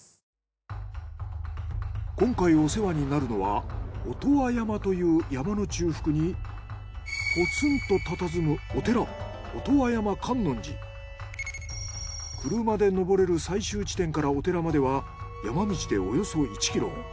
今回お世話になるのは音羽山という山の中腹にポツンとたたずむお寺車で登れる最終地点からお寺までは山道でおよそ１ｋｍ。